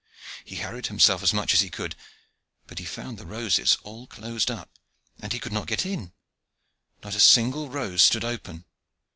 He hurried himself as much as he could; but he found the roses all closed up, and he could not get in; not a single rose stood open.